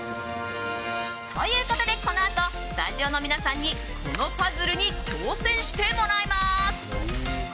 ということで、このあとスタジオの皆さんにこのパズルに挑戦してもらいます。